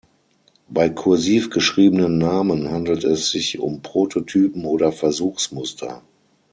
Bei kursiv geschriebenen Namen handelt es sich um Prototypen oder Versuchsmuster.